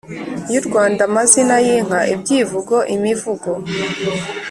y’u Rwanda, amazina y’inka, ibyivugo, imivugo.